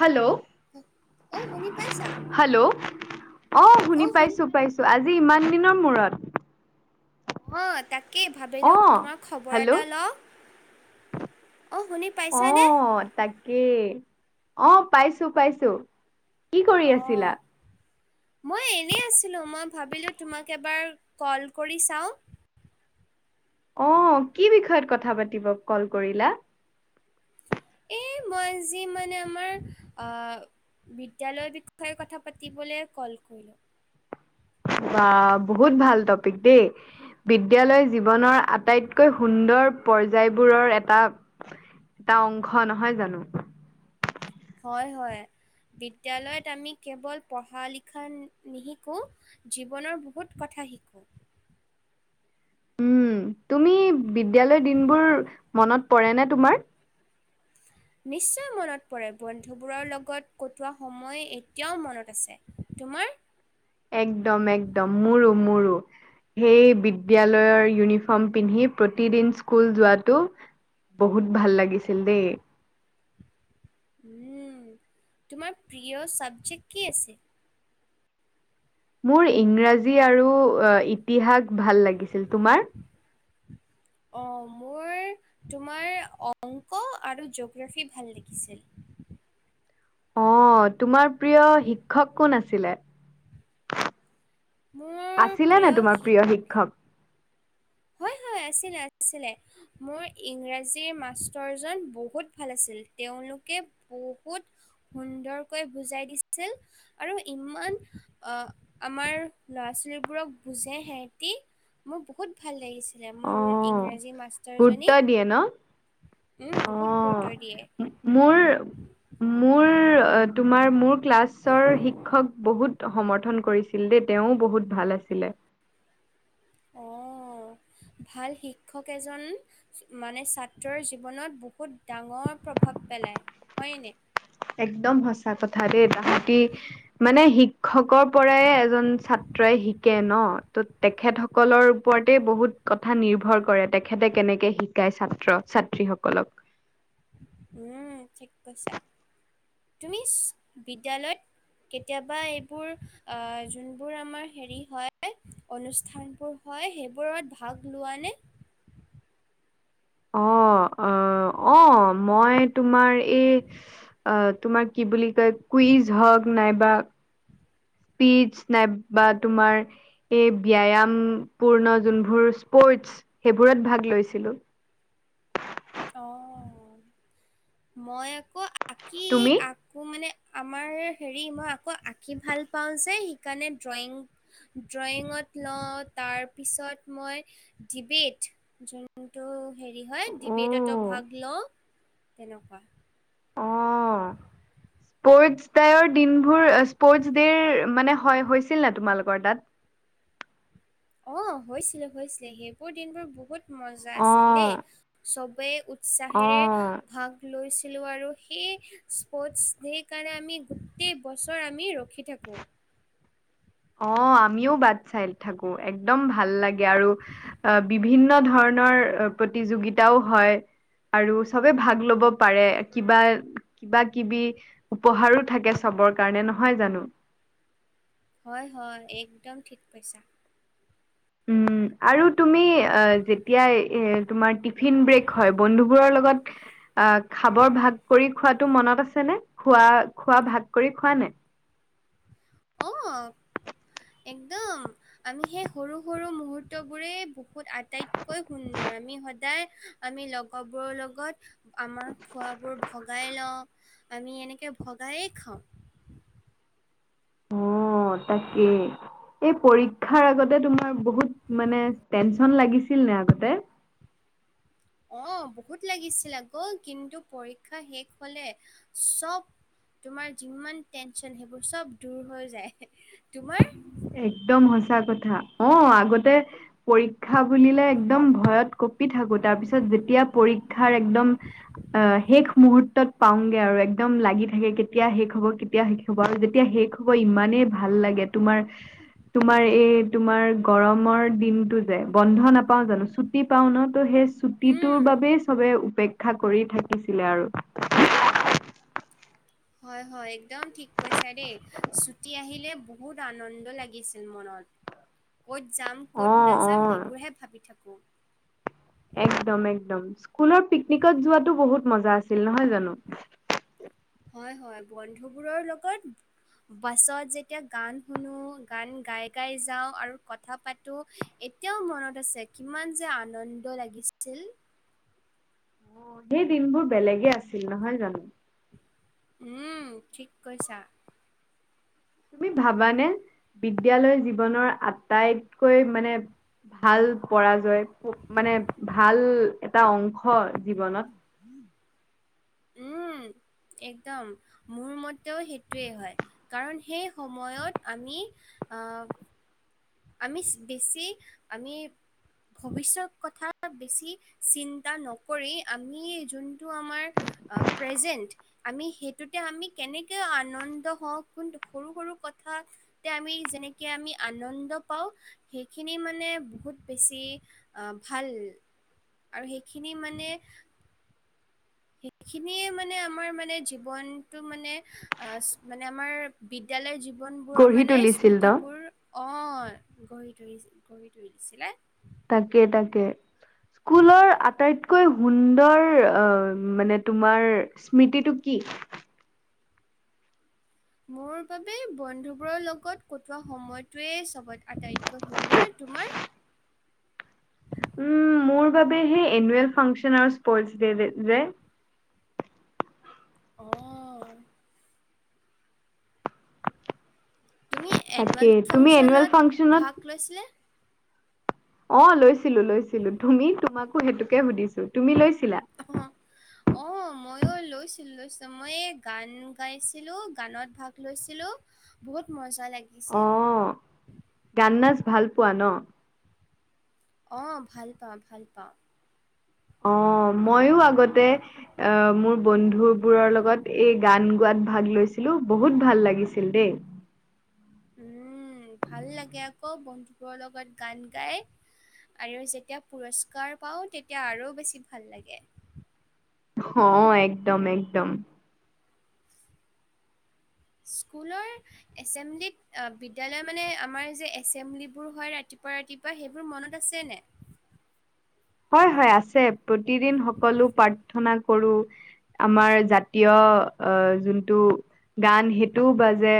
Hello. অ', শুনি পাইছা? হেল্ল', অ', শুনি পাইছোঁ পাইছোঁ, আজি ইমান দিনৰ মূৰত। অ', তাকেই অ ভাবিলো তোমাৰ খবৰ হেল্ল' এটা লওঁ, অ', শুনি পাইছানে? অ', তাক কেই, অ', পাইছো পাইছো। কি কৰি আছিলা অ' মই এনেই আছিলোঁ, মই ভাবিলোঁ তোমাক এবাৰ কল কৰি চাওঁ। অ', কি বিষয়ত কথা পাতিব কল কৰিলা? এই মই যি মানে আমাৰ, আ বিদ্যালয়ৰ বিষয়ে কথা পাতিবলে কল কৰিলো। বা বহুত ভাল টপিক দেই, বিদ্যালয় জীৱনৰ আটাইতকৈ সুন্দৰ পৰ্যায়বোৰৰ এটা এটা অংশ, নহয় জানো? হয় হয়, বিদ্যালয়ত আমি কেৱল পঢ়া লিখা নি-নিশিকো। জীৱনৰ বহুত কথা শিকো। উম তুমি বিদ্যালয় দিনবোৰ, মনত পৰে নে তোমাৰ? [unintelligible] নিশ্চয় মনত পৰে, বন্ধুবোৰৰ লগত কটোৱা সময় এতিয়াও মনত আছে, তোমাৰ? একদম একদম, মোৰো মোৰো। সেই বিদ্যয়ালয়ৰ ইউনিফৰ্ম পিন্ধি, প্ৰতিদিন স্কুল যোৱাটো। বহুত ভাল লাগিছিল দেই। উম, তোমাৰ প্ৰিয় চাবজেক্ট কি আছে? মোৰ ইংৰাজী আৰু অ', ইতিহাস ভাল লাগিছিল, তোমাৰ? অ', মোৰ তোমাৰ অংক আৰু জঅ'গ্ৰাফী ভাল লিখিছিল। অ', তোমাৰ প্ৰিয় শিক্ষক কোন আছিলে? মোৰ আছিলে নে প্ৰিয় তোমাৰ শিক প্ৰিয় শিক্ষক? হয় হয়, আছিলে আ-ছিলে। মোৰ ইংৰাজীৰ মাষ্টৰজন বহুত ভাল আছিল, তেওঁলোকে বহুত সুন্দৰকৈ বুজাই দিছিল আৰু ইমান, আ, আমাৰ ল'ৰা-ছোৱালীবোৰক বুজে সেহেতি মোৰ বহুত ভাল লাগিছিলে অ মোৰ ইংৰাজী মাছ গুৰুত্ব দিয়ে ন? উম, অ বহুত গুৰুত্ব দিয়ে। মোৰ, মোৰ অ', তোমাৰ মোৰ ক্লাছৰ শিক্ষক বহুত সমৰ্থন কৰিছিল দেই, তেওঁও বহুত ভাল আছিলে। অ', ভাল শিক্ষক এজন মানে ছাত্ৰৰ জীৱনত বহুত ডাঙৰ প্ৰভাৱ পেলায়, হয়নে? একদম সঁচা কথা দেই, তাহাতি মানে শিক্ষকৰ পৰাই এ জন ছাত্ৰই শিকে ন, ত' তেখেতসকলৰ ওপৰতে বহুত কথা নিৰ্ভৰ কৰে, তেখেতে কেনেকে শিকায় ছাত্ৰ-ছাত্ৰীসকলক। উম, ঠিক কৈছা, তুমি চ বিদ্যালয়ত কেতিয়াবা এইবোৰ আ' যোনবোৰ আমাৰ হেৰি হয় অনুষ্ঠানবোৰ হয় সেইবোৰত ভাগ লোৱা নে? অ', অ', অ', মই তোমাৰ এই অ' তোমাৰ কি বুলি কয় কুইজ হওঁক নাইবা পিচ নাইবা তোমাৰ এই ব্যায়াআমপূৰ্ণ যোনবোৰ স্পৰ্টচ সেইবোৰত ভাগ লৈছিলো। অ' মই আকৌ আঁকি তুমি আকৌ মানে আমাৰ হেৰি মই আকৌ আঁকি ভাল পাওঁ যে সেইকাৰণে ড্ৰয়িং ড্ৰয়িঙত ন তাৰপিছত মই ডিবেট যোনটো হেৰি হয় অ ডিবেটতো ভাগ লওঁ তেনেকুৱা অ' স্পৰ্টচ তাইৰ দিনবোৰ স্পৰ্টচ দেৰ মানে হয় হৈছিল নে তোমালোকৰ তাত? অ' হৈছিলে হৈছিলে সেইবোৰ দিনবোৰ বহুত মজা আছিল দেই অ', চবেই উৎ উচ্ছাহচাহেৰে অ', ভাগ লৈছিলো আৰু সেই স্পৰ্টছ দে কাৰণে আমি গোটেই বছৰ আমি ৰখি থাকোঁ। অ' আমিও বাট চাই থাকো একদম ভাল লাগে। আৰু বিভিন্ন ধৰণৰ প্ৰতিযোগিতাও হয় আৰু চবে ভাগ ল'ব পাৰে কিবা কিবা কিবি উপহাৰো থাকে চবৰ কাৰণে নহয় জানো? হয়, হয় একদম ঠিক কৈছা। উম' আৰু তুমি অ' যেতিয়া এ তোমাৰ তিক ভিন ব্ৰেক হয় বন্ধু বোৰৰ লগত আ' খাবৰ ভাগ কৰি খোৱাতটো মনত আছে নে খোৱা খোৱা ভাগ কৰি খোৱা নে? আহ একদম আমি সেই সৰু, সৰু মুহূৰ্তবোৰেই বুকুত আটাইতকৈ সুন্দৰ আমি সদায় আমি লগবোৰৰ লগত আমাৰ খোৱাবোৰ ভগাই লও আমি এনেকে ভগাইেই খাও। অ' তাকেই এই পৰীক্ষাৰ আগতে তোমাৰ বহুত মানে টেনচন লাগিছিল না আগতে? অ' বহুত লাগিছিল আকৌ কিন্তু পৰীক্ষা শেষ হলে চব তোমাৰ যিমান টেনচন সেইবোৰ চব দূৰ হৈ যায় তোমাৰ একদম সঁচা কথা অ' আগতে পৰীক্ষা বুলিলে একদম ভয়ত কপি [unintelligible] থাকো তাৰ পিছত যেতিয়া পৰীক্ষাৰ একদম অ' শেষ মুহূৰ্তত পাওগে আৰু একদম লাগি থাকে কেতিয়া শেষ হ'ব কেতিয়া শেষ হ'ব আৰু যেতিয়া শেষ ইমানেই ভাল লাগে তোমাৰ তোমাৰ এই তোমাৰ গৰমৰ দিনতটো যে বন্ধ নাপাও জানো? চুত ছুটি পাওন ত সেই উম, ছুটিটোৰ বাবেই চবেই অপেক্ষা কৰি থাকিছিলে আৰু হয়, হয় একদম ঠিক কৈছা দেই। ছুটি আহিলে ব বহুত আনন্দ লাগিছিল মনত ক'ত যাম, ক'ত অ', নাযাম অ', সেইবোৰহে ভাবি থাকোঁ। একদম, এক্দম স্কুলৰ পিকনিকত যোৱাতো বহুত মজা আছিল নহয় জানো? হয়, হয় বন্ধুবোৰৰ লগত বাছত যেতিয়া গান শুনো, গান গাই, গাই যাওঁ আৰু কথা পাতো এতিয়াও মনত আছে কিমান যে আনন্দ লাগিছিল। সেই দিনবোৰ বেলেগে আছিল। নহয় জানো? উম ঠিক কৈছা। তুমি ভাবানে? বিদ্যালয় জীৱনৰ আটাইতকৈ মানে ভাল পৰাজয় মানে ভাল এটা অংশ জীৱনত। উম, একদম মোৰ মতেও সেইটোৱেই হয়। কাৰণ সেই সময়ত আমি আমি বেছি আমি ভৱিষ্যত কথা বেছি চিন্তা নকৰি, আমি যোনটো আমাৰ প্ৰেজেণ্ট আমি সেইটোতে আমি কেনেকে আনন্দ হওঁ, কোন সৰু-সৰু কথা এতিয়া আমি যেনেকে আমি আনন্ পাওঁ, সেইখিনি মানে বহুত বেছি ভাল। আৰু সেইখিনি মানে সেইখিনিয়ে মানে আমাৰ মানে জীৱনটো মানে মানে আমাৰ বিদ্যালয়ৰ জীৱনবোৰৰ গঢ়ি মানে তুলিছিল ন? স্মৃতিবোৰ। অঁ গঢ়ি তুলি, গঢ়ি তুলিছিলে। তাকে তাকে স্কুলৰ আটাইত তকৈ সুন্দৰ অ' মানে তোমাৰ স্মৃতিটো কি? মোৰ বাবে বন্ধুবোৰৰ লগত কটোৱা সময়টোৱেই চবত আটাইতকৈ সুন্দৰ। তোমাৰ? উম, মোৰ বাবে সেই এনুৱেল ফাংচন আৰু স্পৰ্ট [unintelligible] অঁ। তুমি তাকে এনুৱেল তুমি এনুৱেল ফাংচনত ফাংচনত ভাগ লৈছিলে? অ লৈছিলো লৈছিলো। তুমি তোমাকো সেইটোকে সুধিছো, তুমি লৈছিলা? হা! অ' ময়ো লৈছিলো লৈছিলো। মই গান গাইছিলোঁ। গানত ভাগ লৈছিলোঁ। বহুত মজা লাগে। অ' গান-নাচ ভাল পোৱা ন? অ' ভাল পাওঁ, ভাল পাওঁ। অ' মইয়ো আগতে অ' মোৰ বন্ধু বোৰৰ লগত এই গান গোৱাত ভাগ লৈছিলো, বহুত ভাল লাগিছিল দেই। উম, ভাল লাগে আক বন্ধুবোৰৰ লগত গান গাই। আৰু যেতিয়া পুৰস্কাৰ পাওঁ তেতিয়া আৰু বেছি ভাল লাগে। অ' একদম, একদম। স্কুলৰ এচেম্বলিত বিদ্যালয় মানে আমাৰ যে এচেম্বলিবোৰ হয় ৰাতিপুৱা ৰাতি পুৱা সেইবোৰ মনত আছেনে? হয় হয় আছে প্ৰতিদিন সকলো প্ৰাৰ্থনা কৰো। আমাৰ জাতীয় অ' যোনটো গান সেইটোও বাজে।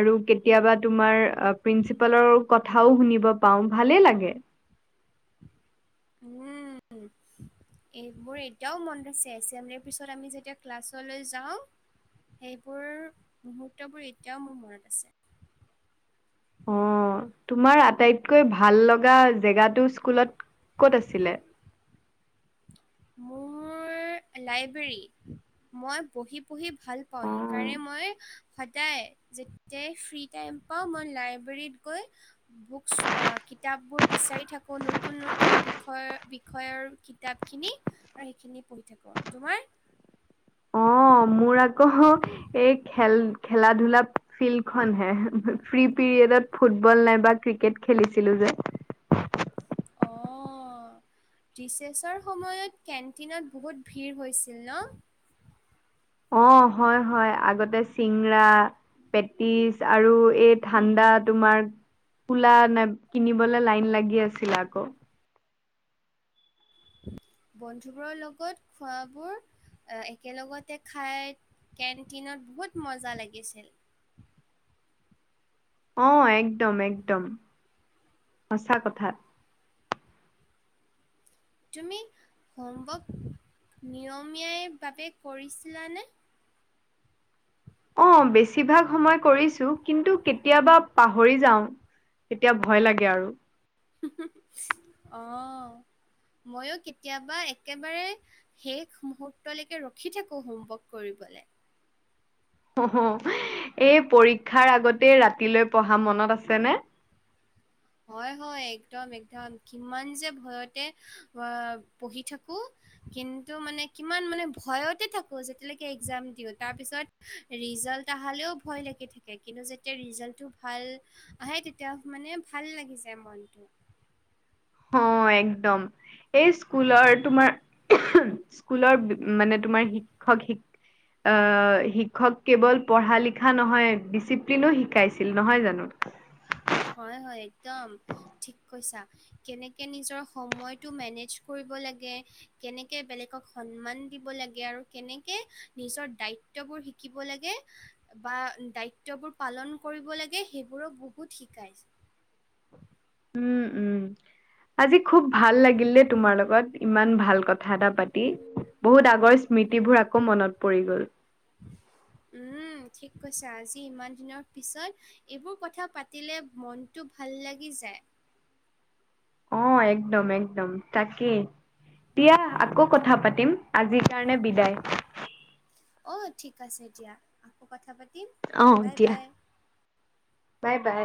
আৰু কেতিয়াবা তোমাৰ প্ৰিন্সিপালৰ কথাও শুনিব পাওঁ ভালে লাগে। হুম। এইবোৰ এতিয়াও মনত আছে এচেম্বলিৰ পিছত আমি যেতিয়া ক্লাছলৈ যাওঁ। সেইবোৰ মুহূৰ্তবোৰ এতিয়াও মোৰ মনত আছে। অঁ তোমাৰ আটাইতকৈ ভাল লগা জেগাটো স্কুলত ক'ত আছিলে? মোৰ লাইব্ৰেৰী। মই পঢ়ি পঢ়ি ভাল পাওঁ, অ সেইকাৰণে মই সদায়, যেতিয়াই ফ্ৰী টাইম পাওঁ মই লাইব্ৰেৰীত গৈ বুকচ এ কিতাপবোৰ বিচাৰি থাকোঁ, নতুন নতুন বিষয় বিষয়ৰ কিতাপখিনি। আৰু সেইখিনি পঢ়ি থাকো আ। তোমাৰ? অঁ, মোৰ আকৌ এই খেল খেলা-ধূলা ফিল্ড খন হে। ফ্ৰী পিৰিয়ডত ফুটবল নাইবা ক্ৰিকেট খেলিছিলো যে। অ। ডিচেছৰ সময়ত কেণ্টিনত বহুত ভিৰ হৈছিল ন? অঁ, হয় হয়, আগতে চিংৰা পেটিছ আৰু এই ঠাণ্ডা তোমাৰ কলা নে কিনিবলে লাইন লাগি আছিল আকৌ। বন্ধুবোৰৰ লগত খোৱাবোৰ একেলগতে খাই কেণ্টিনত বহুত মজা লাগিছিল। অঁ, একদম একদম, সঁচা কথা। তুমি হোমৱৰ্ক নিয়মীয়া ভাবে কৰিছিলানে? অঁ, বেছিভাগ সময় কৰিছো কিন্তু কেতিয়াবা পাহৰি যাওঁ। তেতিয়া ভয় লাগে আৰু। অঁ, মইও কেতিয়াবা একেবাৰে শেষ মুহুৰ্তলৈকে ৰখি থাকো হোমৱৰ্ক কৰিবলৈ। অ'হ, এই পৰীক্ষাৰ আগতে ৰাতিলৈ পঢ়া মনত আছেনে? হয় হয়, একদম একদম, কিমান যে ভয়তে পঢ়ি থাকো। কিন্তু মানে কিমান মানে ভয়তে থাকো যেতিয়ালৈকে একজাম দিওঁ। তাৰপিছত ৰিজাল্ট আহালেও ভয় লাগি থাকে, কিন্তু যেতিয়া ৰিজাল্টটো ভাল আহে তেতিয়া মানে ভাল লাগি যায় মনটো। অঁ, একদম। এই স্কুলৰ তোমাৰ, স্কুলৰ মানে তোমাৰ শিক্ষক শিক অঁ, শিক্ষক কেৱল পঢ়া লিখা নহয় ডিচিপ্লিনো শিকাইছিল নহয় জানো। হয় হয়, একদম ঠিক কৈছা। কেনেকে নিজৰ সময়টো মেনেজ কৰিব লাগে কেনেকে বেলেগক সন্মান দিব লাগে আৰু কেনেকে নিজৰ দায়িত্ব ত্ববোৰ শিকিব লাগে। বা দায়িত্ববোৰ পালন কৰিব লাগে সেইবোৰোক বহুত শিকাইছে। উম, উম। আজি খুব ভাল লাগিল দেই তোমাৰ লগত, ইমান ভাল কথা এটা পাতি। বহুত আগৰ স্মৃতিবোৰ আকৌ মনত পৰি গ'ল। উম, ঠিক কৈছা আজি ইমান দিনৰ পিছত এইবোৰ কথা পাতিলে মনটো ভাল লাগি যায়। অঁ, একদম একদম, তাকেই। দিয়া, আকৌ কথা পাতিম আজিৰ কাৰণে বিদায়। অঁ, ঠিক আছে দিয়া। আকৌ কথা পাতিম। অঁ, বাই দিয়া, বাই। Bye bye.